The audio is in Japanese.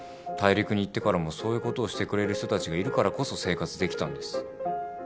大陸に行ってからもそういうことをしてくれる人たちがいるからこそ生活できたんです。